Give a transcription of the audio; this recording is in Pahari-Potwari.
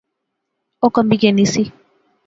او کمبی گینی سی